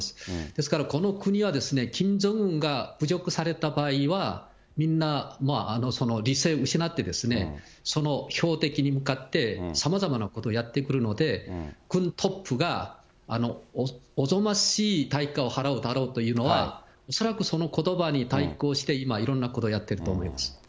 ですからこの国は、キム・ジョンウンが侮辱された場合は、みんな理性失って、その標的に向かってさまざまなことをやってくるので、軍トップがおぞましい対価を払うだろうというのは、恐らくそのことばに対抗して、いろんなことをやってると思います。